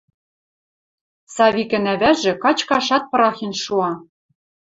Савикӹн ӓвӓжӹ качкашат пырахен шуа.